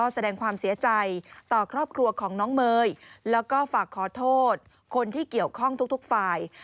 แสดงความเสียใจต่อครอบครัวของน้องเมย์แล้วก็ฝากขอโทษคนที่เกี่ยวข้องทุกฝ่าย